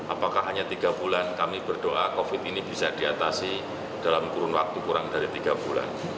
apakah hanya tiga bulan kami berdoa covid ini bisa diatasi dalam kurun waktu kurang dari tiga bulan